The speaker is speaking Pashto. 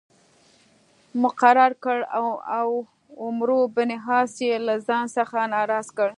مقرر کړ او عمرو بن عاص یې له ځان څخه ناراض کړ.